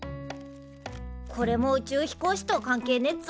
これも宇宙飛行士と関係ねっぞ？